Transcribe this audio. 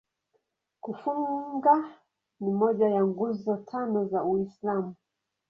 Kufunga ni moja ya Nguzo Tano za Uislamu.